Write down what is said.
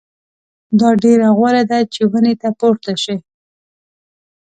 دا ډېره غوره ده چې ونې ته پورته شئ.